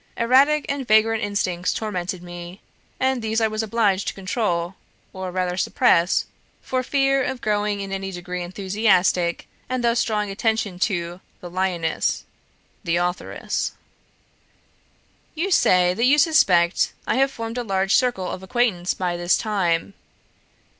Erratic and vagrant instincts tormented me, and these I was obliged to control or rather suppress for fear of growing in any degree enthusiastic, and thus drawing attention to the 'lioness' the authoress. "You say that you suspect I have formed a large circle of acquaintance by this time.